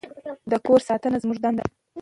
د کور ساتنه زموږ دنده ده.